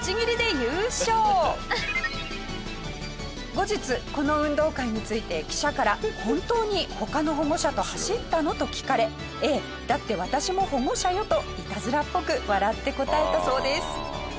後日この運動会について記者から「本当に他の保護者と走ったの？」と聞かれ「ええだって私も保護者よ」といたずらっぽく笑って答えたそうです。